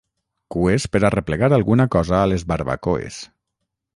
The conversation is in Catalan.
Cues per arreplegar alguna cosa a les barbacoes.